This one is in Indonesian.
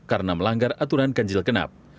karena melanggar aturan ganjil genap